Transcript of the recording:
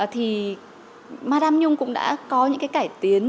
thì madam nhung cũng đã có những cái cải tiến